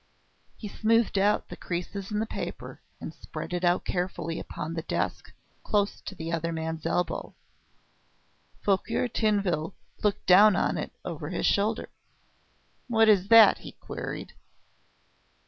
He smoothed out the creases in the paper and spread it out carefully upon the desk close to the other man's elbow. Fouquier Tinville looked down on it, over his shoulder. "What is that?" he queried.